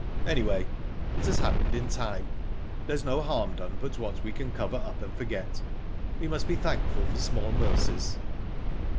"Anyway, it has happened in time. There's no harm done but what we can cover up and forget. We must be thankful for small mercies."